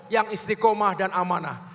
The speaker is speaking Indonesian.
yang istiqomah dan amanah